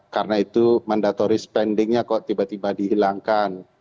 karena itu mandatori spendingnya kok tiba tiba dihilangkan